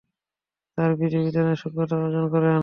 তার বিধি বিধানের সূক্ষ্ণজ্ঞান অর্জন করেন।